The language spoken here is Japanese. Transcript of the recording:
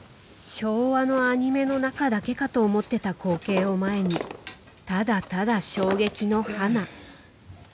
昭和のアニメの中だけかと思ってた光景を前にただただ衝撃の花。